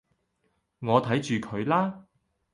我睇住佢啦